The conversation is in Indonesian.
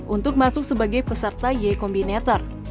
untuk masuk sebagai peserta yekombinator